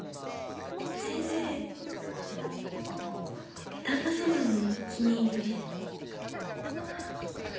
先生旦那様の気に入りで。